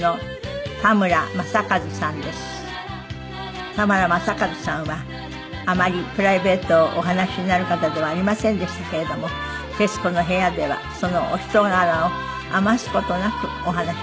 田村正和さんはあまりプライベートをお話しになる方ではありませんでしたけれども『徹子の部屋』ではそのお人柄を余す事なくお話しくださいました。